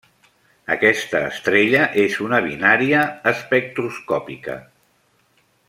Aquesta estrella és una binària espectroscòpica.